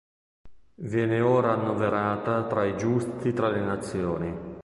Viene ora annoverata tra i Giusti tra le nazioni.